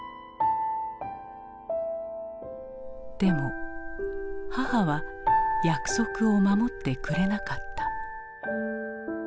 でも母は約束を守ってくれなかった。